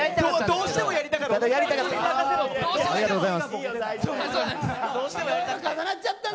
どうしてもやりたかった。